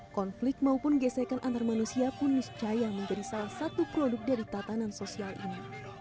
konflik maupun gesekan antar manusia pun niscaya menjadi salah satu produk dari tatanan sosial ini